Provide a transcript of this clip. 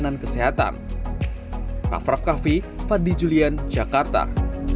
dan pemerintah memberikan pelayanan kesehatan